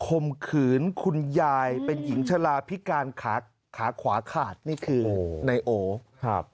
มขืนคุณยายเป็นหญิงชะลาพิการขาขาขวาขาดนี่คือนายโอครับ